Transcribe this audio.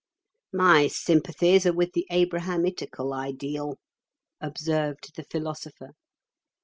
"My sympathies are with the Abrahamitical ideal," observed the Philosopher.